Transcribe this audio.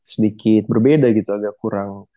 sedikit berbeda gitu agak kurang